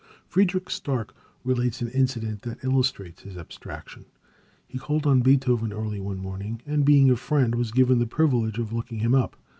Friederich Stark relates an incident that illustrates his abstraction. He called on Beethoven early one morning, and, being a friend, was given the privilege of looking him up.